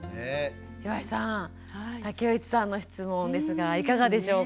岩井さん武内さんの質問ですがいかがでしょうか？